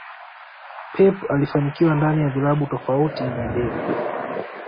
Pep alifanikiwa ndani ya vilabu tofauti na Del